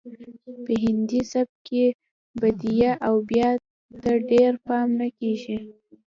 په هندي سبک کې بدیع او بیان ته ډیر پام نه کیږي